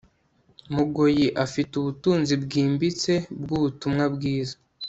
Mugoyi afite ubutunzi bwimbitse bwubutumwa bwiza